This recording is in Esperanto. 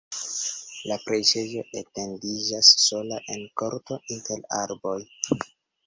La preĝejo etendiĝas sola en korto inter arboj.